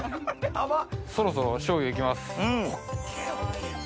そろそろしょうゆ行きます。